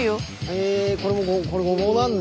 へえこれごぼうなんだ。